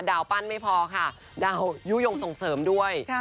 ปั้นไม่พอค่ะดาวยุโยงส่งเสริมด้วย